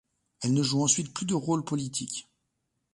Elle ne joue ensuite plus de rôle politique.